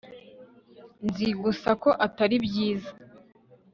nzi gusa ko atari byiza